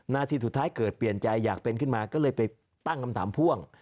นาทีสุดท้ายเกิดเปลี่ยนใจอยากเป็นขึ้นมาก็เลยไปตั้งคำถามพ่วง